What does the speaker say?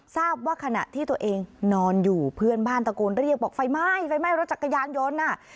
ทราบว่าขณะที่ตัวเองนอนอยู่เพื่อนบ้านตะโกนเรียกบอกไฟไหม้ไฟไหม้รถจักรยานยนต์น่ะ